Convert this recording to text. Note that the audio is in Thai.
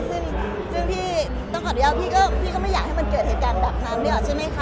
ซึ่งพี่ต้องขออนุญาตพี่ก็ไม่อยากให้มันเกิดเหตุการณ์แบบนั้นดีกว่าใช่ไหมคะ